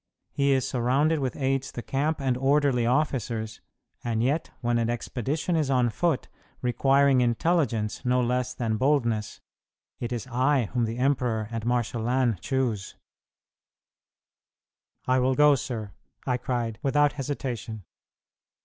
He is surrounded with aides de camp and orderly officers, and yet when an expedition is on foot, requiring intelligence no less than boldness, it is I whom the emperor and Marshal Lannes choose." "I will go, sir," I cried, without hesitation.